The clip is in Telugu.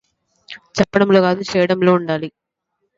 చెప్పడంలో కాదు చేయడంలో ఉండాలి.